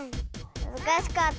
むずかしかった。